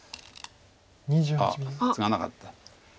あっツガなかった。